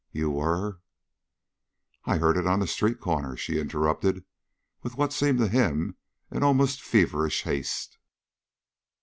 You were " "I heard it on the street corner," she interrupted, with what seemed to him an almost feverish haste.